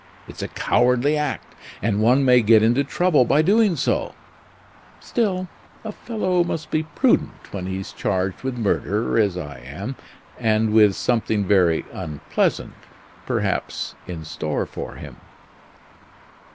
It's a cowardly act and one may get into trouble by doing so; still, a fellow must be prudent when he's charged with murder as I am, and with something very unpleasant, perhaps, in store for him."